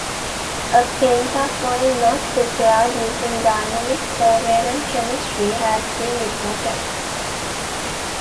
A pentafoil knot prepared using dynamic covalent chemistry has been reported.